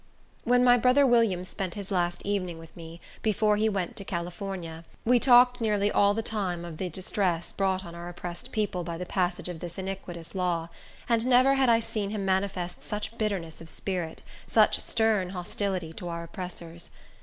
When my brother William spent his last evening with me, before he went to California, we talked nearly all the time of the distress brought on our oppressed people by the passage of this iniquitous law; and never had I seen him manifest such bitterness of spirit, such stern hostility to our oppressors.